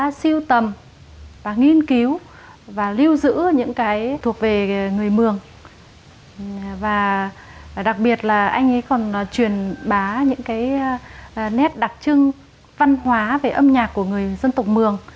hát siêu tầm và nghiên cứu và lưu giữ những cái thuộc về người mường và đặc biệt là anh ấy còn truyền bá những cái nét đặc trưng văn hóa về âm nhạc của người dân tộc mường